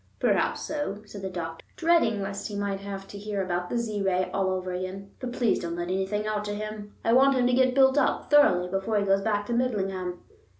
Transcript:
"Perhaps so," said the doctor, dreading lest he might have to hear about the Z Ray all over again. "But please don't let anything out to him; I want him to get built up thoroughly before he goes back to Midlingham."